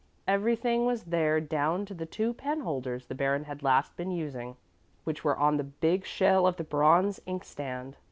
Everything was there down to the two pen holders the Baron had last been using, which were on the big shell of the bronze inkstand.